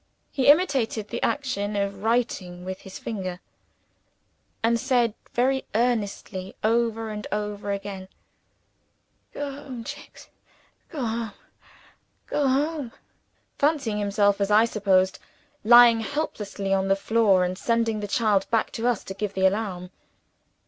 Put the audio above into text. He imitated the action of writing with his finger; and said very earnestly, over and over again, "Go home, Jicks; go home, go home!" fancying himself (as I suppose), lying helpless on the floor, and sending the child back to us to give the alarm.